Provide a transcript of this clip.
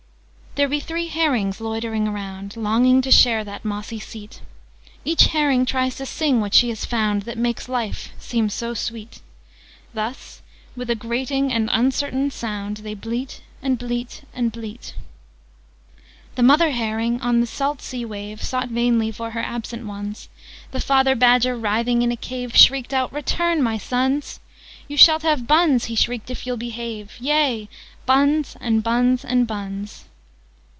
"There be three Herrings loitering around, Longing to share that mossy seat: Each Herring tries to sing what she has found That makes Life seem so sweet. Thus, with a grating and uncertain sound, They bleat, and bleat, and bleat, "The Mother Herring, on the salt sea wave, Sought vainly for her absent ones: The Father Badger, writhing in a cave, Shrieked out 'Return, my sons! You shalt have buns,' he shrieked, 'if you'll behave! Yea, buns, and buns, and buns!'